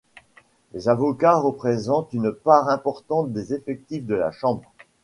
Les avocats représentent une part importante des effectifs de la Chambre.